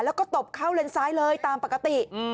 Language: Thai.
แล้วก็ตบเข้าเลนซ้ายเลยตามปกติ